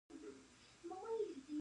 موږ لا هم په پښتو کې املايي ستونزې لرو